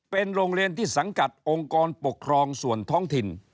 เป็นโรงเรียนที่สังกัดองค์กรปกครองส่วนท้องถิ่น